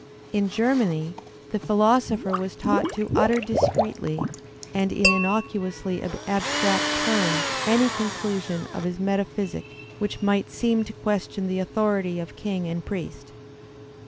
In Germany the philosopher was taught to utter discreetly and in innocuously abstract terms any conclusion of his meta physic which might seem to question the authority of king and priest.